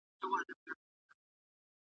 چي مي څو ځله د وران او د زاړه سړک پر غاړه .